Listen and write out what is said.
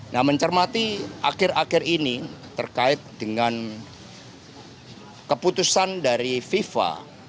nah mencermati akhir akhir ini terkait dengan keputusan dari fifa